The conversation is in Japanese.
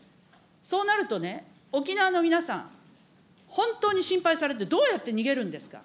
そうなるとね、沖縄の皆さん、本当に心配されて、どうやって逃げるんですか。